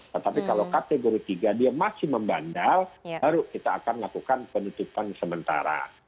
tetapi kalau kategori tiga dia masih membandal baru kita akan lakukan penutupan sementara